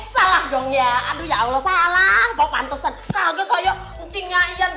salah dong ya aduh ya allah salah bau pantesan kaget saya kucingnya iyan